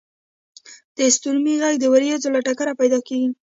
• د ستورمې ږغ د ورېځو له ټکره پیدا کېږي.